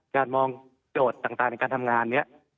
การมองโจทย์ต่างในการทำงานนี้